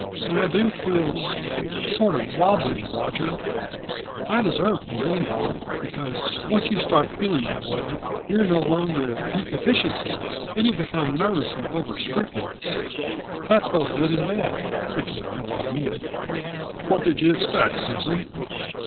"I do feel ... sort of wobbly, Roger. I deserve to be leaned on, because once you start feeling that way you're no longer at peak efficiency and you become nervously over scrupulous. That's both good and bad, if you know what I mean." "What did you expect, Susan?